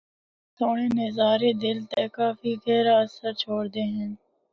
اے سہنڑ نظارے دل تے کافی گہرا اثر چھوڑدے ہن۔